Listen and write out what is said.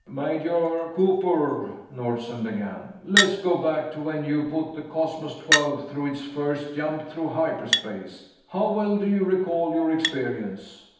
"Major Cooper," Nordsen began, "let's go back to when you put the Cosmos XII through its first jump through hyperspace. How well do you recall your experience?"